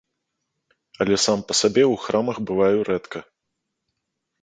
Але сам па сабе ў храмах бываю рэдка.